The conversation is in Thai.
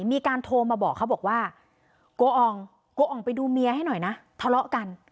มีการโทรมาบอกเขาบอกว่าโกอ่องโกอ่องไปดูเมียให้หน่อยนะทะเลาะกัน